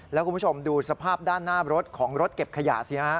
แล้วคุณผู้ชมดูสภาพด้านหน้ารถของรถเก็บขยะสิฮะ